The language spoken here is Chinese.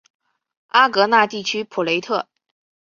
阿戈讷地区普雷特。